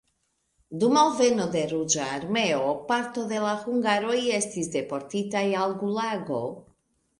Dum alveno de Ruĝa Armeo parto de la hungaroj estis deportitaj al gulago.